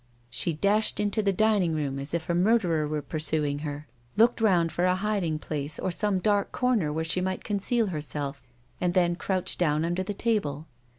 She dashed into the dining room as if a murderer were pursuing her, looked round for a hiding place or some dark corner where she might conceal herself, and then crouched down under the table.